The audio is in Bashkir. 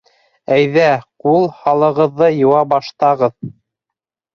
Әйҙә, ҡул-һалығыҙҙы йыуа баштағыҙ.